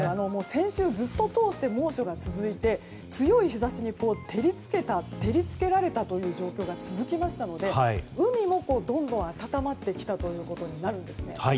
先週、ずっと通して猛暑が続いて、強い日差しに照り付けられたという状況が続きましたので海もどんどん暖まってきたということになるんです。